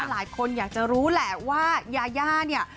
หลายคนอยากจะรู้แหละว่ายาย่าเนี่ย